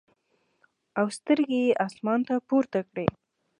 او سترګې ئې اسمان ته پورته کړې ـ